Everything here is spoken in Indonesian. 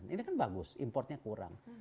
ini kan bagus importnya kurang